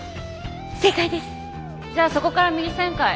じゃあそこから右旋回。